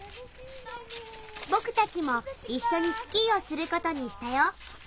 僕たちも一緒にスキーをすることにしたよ。